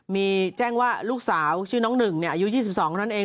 มีแจ้งว่าลูกสาวชื่อน้องหนึ่งอายุ๒๒เท่านั้นเอง